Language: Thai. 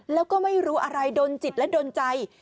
แล้วก็ไม่รู้อะไรดนจิตและดนใจ